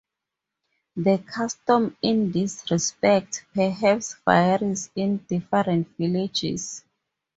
The custom in this respect perhaps varies in different villages.